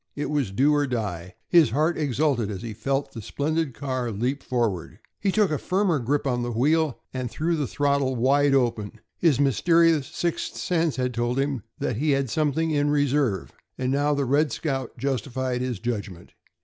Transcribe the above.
It was do or die. His heart exulted as he felt the splendid car leap forward. He took a firmer grip on the wheel and threw the throttle wide open. His mysterious "sixth sense" had told him that he had something in reserve, and now the "Red Scout" justified his judgment.